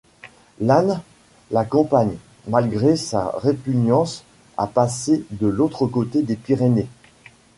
Lannes l'accompagne, malgré sa répugnance à passer de l'autre côté des Pyrénées.